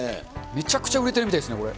めちゃくちゃ売れてるみたいこれ？